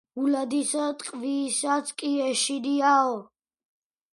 გულადისა ტყვიასაც კი ეშინიაო.